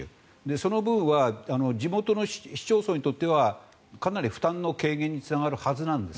その分は地元の市町村にとってはかなり負担の軽減につながるはずなんです。